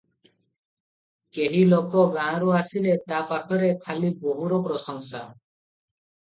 କେହି ଲୋକ ଗାଁରୁ ଆସିଲେ ତା ପାଖରେ ଖାଲି ବୋହୁର ପ୍ରଶଂସା ।